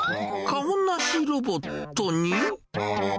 顔なしロボットに？